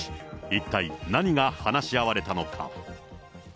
一体、何が話し合われたのか。